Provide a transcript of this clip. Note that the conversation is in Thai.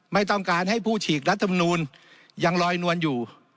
ไม่ต้องการให้ผู้ฉีกรัฐมนูลยังลอยนวลอยู่